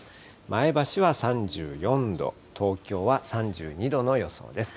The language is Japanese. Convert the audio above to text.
前橋は３４度、東京は３２度の予想です。